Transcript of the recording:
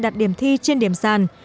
đạt điểm thi trên điểm sàn